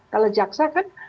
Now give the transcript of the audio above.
kalau jaksa kan